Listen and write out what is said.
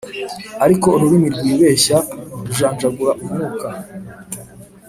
ariko ururimi rwibeshya rujanjagura umwuka